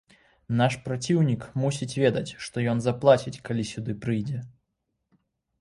Наш праціўнік мусіць ведаць, што ён заплаціць, калі сюды прыйдзе.